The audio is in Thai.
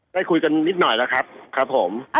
ได้คุยกันนิดหน่อยแล้วครับ